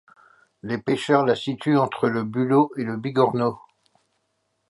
Les pêcheurs la situent entre le bulot et le bigorneau.